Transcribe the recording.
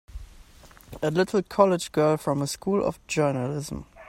A little college girl from a School of Journalism!